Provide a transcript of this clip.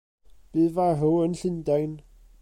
Bu farw yn Llundain.